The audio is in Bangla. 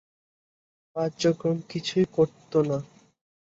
কাজকর্ম কিছুই করত না।